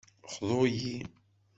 Xḍut-yi!